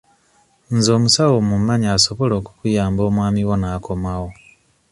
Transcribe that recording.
Nze omusawo mmumanyi asobola okukuyamba omwami wo n'akomawo.